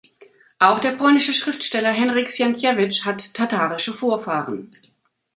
Auch der polnische Schriftsteller Henryk Sienkiewicz hat tatarische Vorfahren.